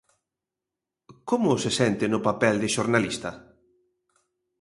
Como se sente no papel de xornalista?